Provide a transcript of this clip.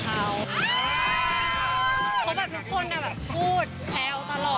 เพราะแบบทุกคนก็แบบพูดแท้วตลอด